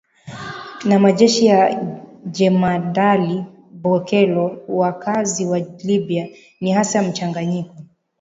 na majeshi ya Jemadali Bokelo Wakazi wa Libya ni hasa mchanganyiko